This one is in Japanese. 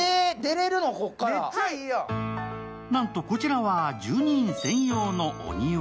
なんとこちらは住人専用のお庭。